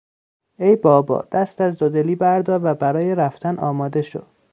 ای بابا دست از دو دلی بردار و برای رفتن آماده شو.